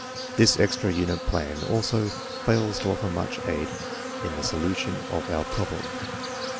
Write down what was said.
This extra unit plan also fails to offer much aid in the solution of our problem.